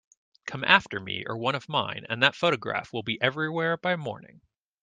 Come after me or one of mine, and that photograph will be everywhere by morning.